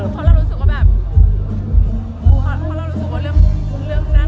กัลล์นี้ก็เป็นว่า